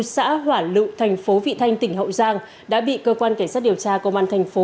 xã hỏa lựu thành phố vị thanh tỉnh hậu giang đã bị cơ quan cảnh sát điều tra công an thành phố